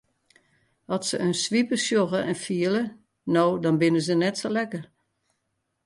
At se in swipe sjogge en fiele no dan binne se net sa lekker.